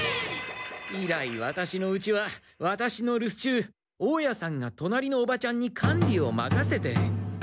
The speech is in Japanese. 以来ワタシのうちはワタシの留守中大家さんが隣のおばちゃんに管理を任せて。